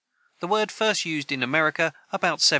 The word was first used in America about 1770.